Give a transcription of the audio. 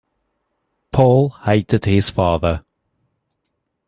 Paul hated his father.